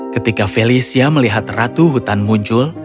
ketika felicia melihat ratu hutan muncul